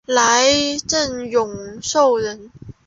来瑱永寿人。